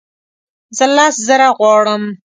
زه لس زره غواړم